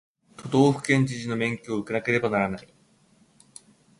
都道府県知事の免許を受けなければならない